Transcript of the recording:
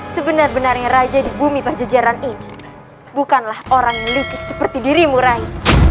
sebenarnya raja di bumi penjejaran ini bukanlah orang yang lucik seperti dirimu rai